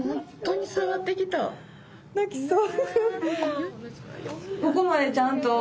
泣きそう。